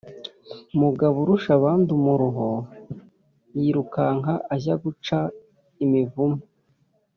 mugaburushabandumuruho yirukanka ajya guca imivumu